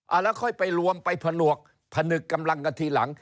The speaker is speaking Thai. แล้วค่อยไปรวมไปผนวกผนึกกำลังกันทีหลัง